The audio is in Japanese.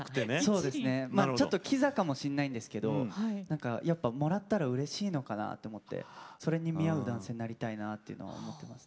ちょっと、きざかもしれないんですけれどももらったらうれしいのかなと思ってそれに見合う男性になりたいなと思っています。